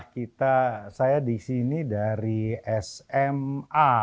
kita saya disini dari sma